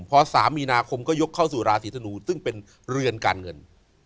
พอ๓มีนาคมก็ยกเข้าสู่ราศีธนูซึ่งเป็นเรือนการเงิน